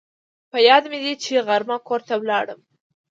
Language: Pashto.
په یاد مې دي چې غرمه کور ته ولاړم